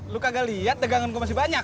lu kagak liat daganganku masih banyak